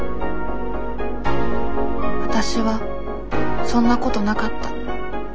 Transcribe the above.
わたしはそんなことなかった。